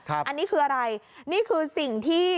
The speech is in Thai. อันนี้คืออะไรนี่คือสิ่งที่